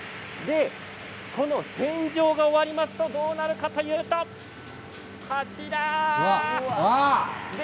この洗浄が終わりますとどうなるかというとこちら。